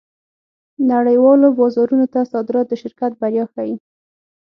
نړۍوالو بازارونو ته صادرات د شرکت بریا ښيي.